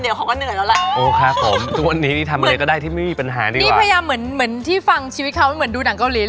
อย่างนี้อารมณ์เหมือนกันเลยพระเอกอย่างนี้